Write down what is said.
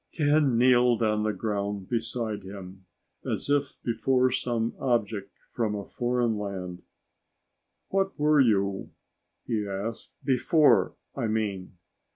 Ken kneeled on the ground beside him, as if before some strange object from a foreign land. "What were you?" he asked. "Before, I mean."